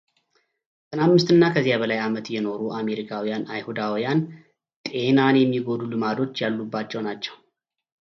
ዘጠና አምስት እና ከዚያ በላይ ዓመት የኖሩ አሜሪካውያን አይሁዳውያን ጤናን የሚጎዱ ልማዶች ያሉባቸው ናቸው።